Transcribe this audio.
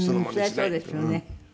そりゃそうですよね。